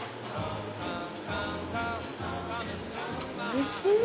おいしい！